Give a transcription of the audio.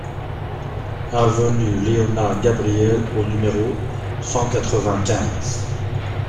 Avenue Léona Gabriel au numéro cent quatre-vingt-quinze